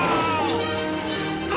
あ！